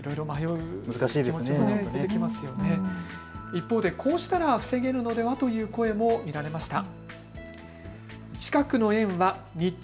一方でこうしたら防げるのでは？という声も見られました。